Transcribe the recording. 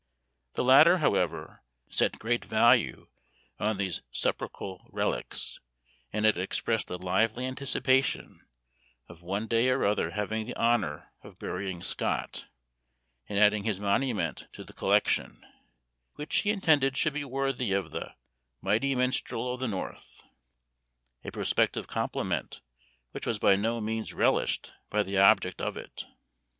The latter, however, set great value on these sepulchral relics, and had expressed a lively anticipation of one day or other having the honor of burying Scott, and adding his monument to the collection, which he intended should be worthy of the "mighty minstrel of the north" a prospective compliment which was by no means relished by the object of it.